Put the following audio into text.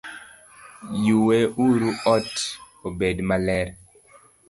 Yue uru ot obed maler